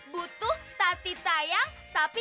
kok artinya ktp